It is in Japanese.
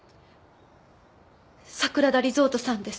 桜田リゾートさんです